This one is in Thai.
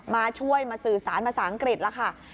มาช่วยมาสื่อสารมาสางกริจแหละค่ะ